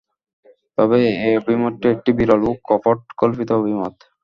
তবে এ অভিমতটি একটি বিরল ও কপট কল্পিত অভিমত।